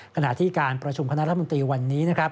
ขณะที่การประชุมคณะรัฐมนตรีวันนี้นะครับ